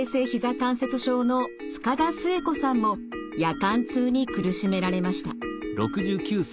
関節症の塚田末子さんも夜間痛に苦しめられました。